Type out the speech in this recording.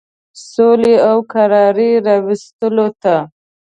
سولي او کراري راوستلو ته.